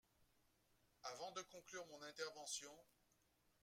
Avant de conclure mon intervention